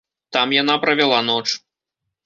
Там яна правяла ноч.